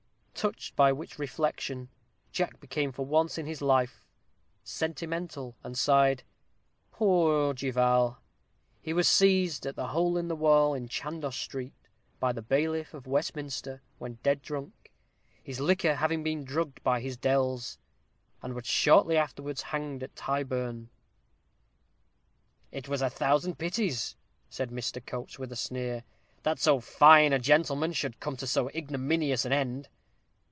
Touched by which reflection, Jack became for once in his life sentimental, and sighed. "Poor Du Val! he was seized at the Hole in the Wall in Chandos street by the bailiff of Westminster, when dead drunk, his liquor having been drugged by his dells and was shortly afterwards hanged at Tyburn." "It was thousand pities," said Mr. Coates, with a sneer, "that so fine a gentleman should come to so ignominious an end!"